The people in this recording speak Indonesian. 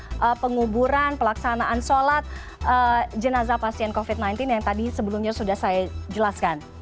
untuk penguburan pelaksanaan sholat jenazah pasien covid sembilan belas yang tadi sebelumnya sudah saya jelaskan